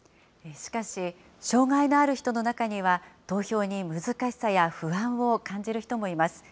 しかし、障害のある人の中には、投票に難しさや不安を感じる人もいます。